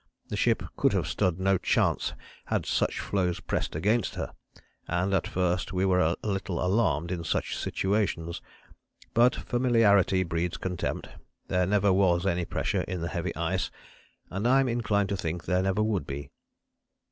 The ship could have stood no chance had such floes pressed against her, and at first we were a little alarmed in such situations. But familiarity breeds contempt; there never was any pressure in the heavy ice, and I'm inclined to think there never would be.